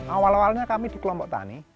awal awalnya kami di kelompok tani